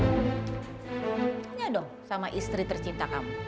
tanya dong sama istri tercinta kamu